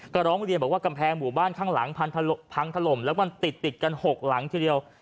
ก็ร้องเรียนบอกว่ากำแพงหมู่บ้านข้างหลังพังถล่มแล้วก็ติดกัน๖หลังทีเดียว